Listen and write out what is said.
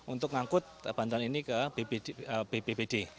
untuk mengangkut bantuan ini ke bppd